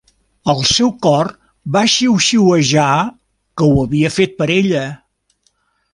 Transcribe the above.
El seu cor va xiuxiuejar que ho havia fet per ella.